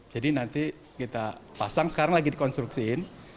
jadi nanti kita pasang sekarang lagi dikonstruksiin